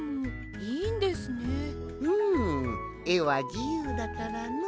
うんえはじゆうだからのう。